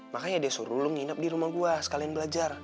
makanya dia suruh lu nginep di rumah gue sekalian belajar